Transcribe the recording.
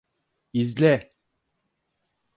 İzle!